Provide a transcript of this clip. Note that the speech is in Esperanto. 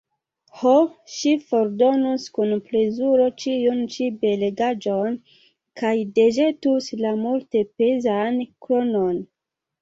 Ho, ŝi fordonus kun plezuro ĉiun ĉi belegaĵon kaj deĵetus la multepezan kronon!